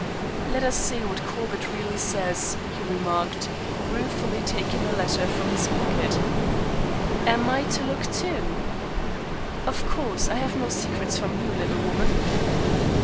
"Let us see what Corbett really says," he remarked, ruefully taking a letter from his pocket. "Am I to look, too?" "Of course. I have no secrets from you, little woman."